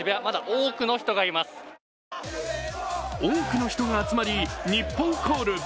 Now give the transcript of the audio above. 多くの人が集まり日本コール。